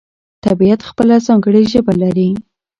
طبیعت خپله ځانګړې ژبه لري.